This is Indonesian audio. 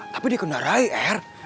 tapi dikendarai er